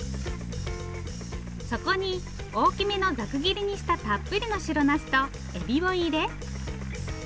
そこに大きめのざく切りにしたたっぷりの白なすとエビを入れ。